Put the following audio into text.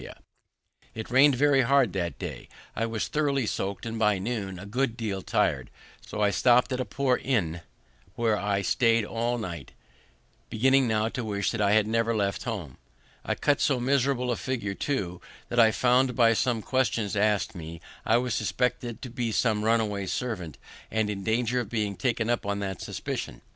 [Illustration: It rained very hard all the day] It rained very hard all the day; I was thoroughly soak'd, and by noon a good deal tired; so I stopt at a poor inn, where I staid all night, beginning now to wish that I had never left home. I cut so miserable a figure, too, that I found, by the questions ask'd me, I was suspected to be some runaway servant, and in danger of being taken up on that suspicion.